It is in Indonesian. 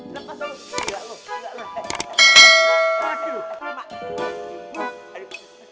lepas dulu si mbak lu